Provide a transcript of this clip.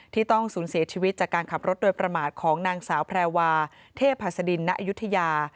ที่ต้องสูญเสียชีวิตจากการขับรถโดยประมาทของนางสาวแพรวาเทพหัสดินณอายุทยา